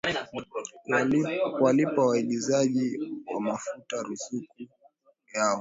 kuwalipa waagizaji wa mafuta ruzuku yao